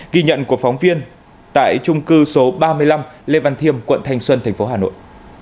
ghi nhận của phóng viên tại trung cư số ba mươi năm lê văn thiêm quận thành xuân thành phố hà nội